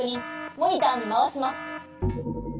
モニターにまわします。